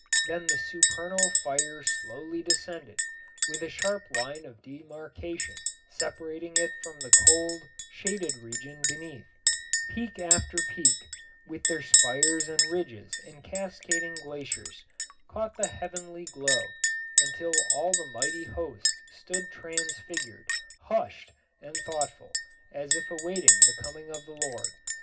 Then the supernal fire slowly descended, with a sharp line of demarcation separating it from the cold, shaded region beneath; peak after peak, with their spires and ridges and cascading glaciers, caught the heavenly glow, until all the mighty host stood transfigured, hushed, and thoughtful, as if awaiting the coming of the Lord.